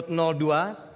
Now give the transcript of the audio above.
temanya energi dan pangan